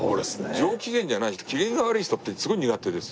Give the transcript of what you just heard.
上機嫌じゃない人機嫌が悪い人ってすごい苦手です。